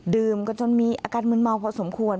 ดื่มกันจนมีอาการมืนเมาพอสมควร